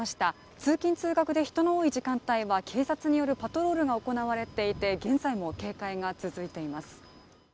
通勤通学で人の多い時間帯は警察によるパトロールが行われていて現在も警戒が続いています。